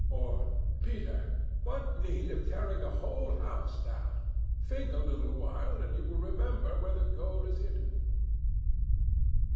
or "Peter, what need of tearing the whole house down? Think a little while, and you will remember where the gold is hidden."